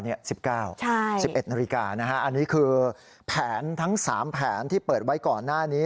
๑๙๑๑นาฬิกาอันนี้คือแผนทั้ง๓แผนที่เปิดไว้ก่อนหน้านี้